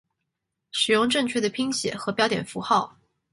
使用正确的拼写和标点符号